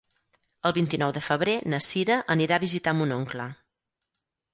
El vint-i-nou de febrer na Cira anirà a visitar mon oncle.